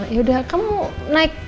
yaudah kamu naik